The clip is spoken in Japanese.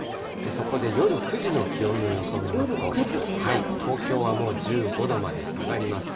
そこで夜９時の気温の予想を見ますと、東京はもう１５度まで下がります。